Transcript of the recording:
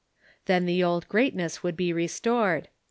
Then the old greatness would be restored.